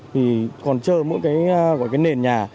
thì còn chờ mỗi cái nền nhà